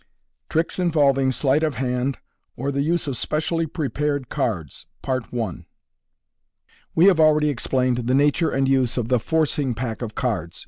Tricks involving Sleight of Hand or the Use op Specially Prepared Cards. We have already explained the nature and use of the " forcing*' pack of cards.